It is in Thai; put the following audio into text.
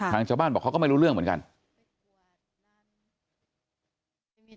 ชาวบ้านบอกเขาก็ไม่รู้เรื่องเหมือนกัน